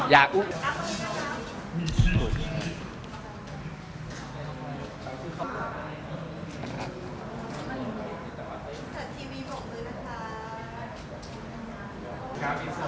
อยาก